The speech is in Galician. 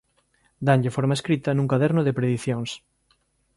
Danlle forma escrita nun caderno de predicións.